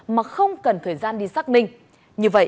mà không cần thời gian đi xác minh